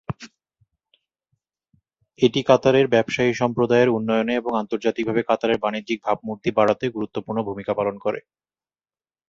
এটি কাতারের ব্যবসায়ী সম্প্রদায়ের উন্নয়নে এবং আন্তর্জাতিকভাবে কাতারের বাণিজ্যিক ভাবমূর্তি বাড়াতে গুরুত্বপূর্ণ ভূমিকা পালন করে।